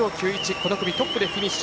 この組トップでフィニッシュ。